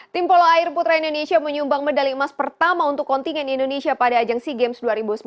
tim polo air putra indonesia menyumbang medali emas pertama untuk kontingen indonesia pada ajang sea games dua ribu sembilan belas